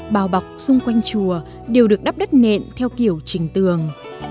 bào bọc xung quanh chùa đều được đắp đất nện theo kiểu trình tường